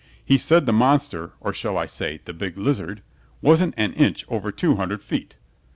He said the monster, or shall I say, the big lizard? wasn't an inch over two hundred feet.